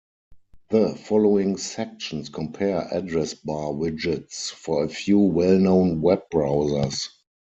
The following sections compare address bar widgets for a few well-known web browsers.